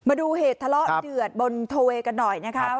มาดูเหตุทะเลาะเดือดบนโทเวกันหน่อยนะครับ